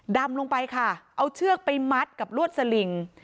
ดำลงไปค่ะเอาเชือกไปมัดกับลวดสลิง